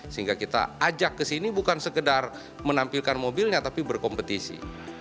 sehingga kita ajak ke sini bukan sekedar menampilkan mobilnya tapi berkompetisi